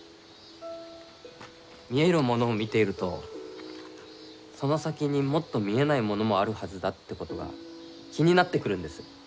見えるものを見ているとその先にもっと見えないものもあるはずだってことが気になってくるんです。